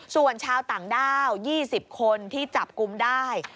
ส่วนชาวต่างด้าว๒๐คนที่จับกลุ่มได้